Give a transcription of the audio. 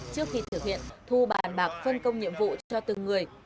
trước khi thực hiện thu bản bạc phân công nhiệm vụ cho từng người